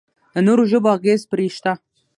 د نورو ژبو اغېز پرې شته.